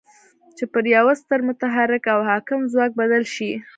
چې پر يوه ستر متحرک او حاکم ځواک بدل شي.